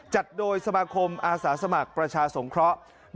จัดโดยสมาคมอาสาสมัครประชาสงเคราะห์